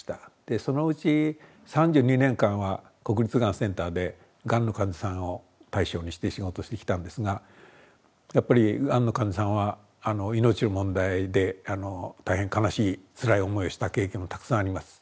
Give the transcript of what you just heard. そのうち３２年間は国立がんセンターでがんの患者さんを対象にして仕事をしてきたんですがやっぱりがんの患者さんは命の問題で大変悲しいつらい思いをした経験もたくさんあります。